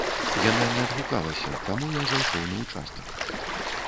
Яна не адгукалася, таму я зайшоў на ўчастак.